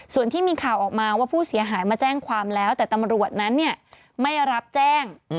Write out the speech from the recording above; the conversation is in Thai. ส่วนที่มีข่าวออกมาว่าผู้เสียหายมาแจ้งความแล้วแต่ตำรวจนั้นไม่รับแจ้ง